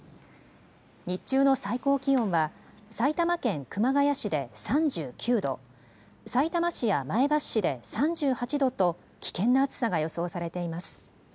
日中の最高気温は埼玉県熊谷市で３９度、さいたま市や前橋市で３８度と危険な暑さが予想されています。